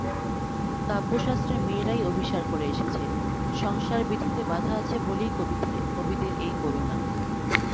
কাব্যশাস্ত্রে মেয়েরাই অভিসার করে এসেছে, সংসারবিধিতে বাধা আছে বলেই কবিদের এই করুণা।